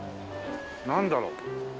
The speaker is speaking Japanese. なんだろう？